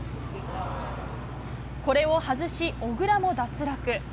これを外し、小倉も脱落。